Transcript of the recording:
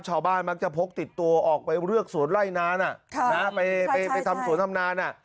ชาวบ้านมักจะพกติดตัวออกไปเลือกสวนไล่นานไปทำสวนทำนาน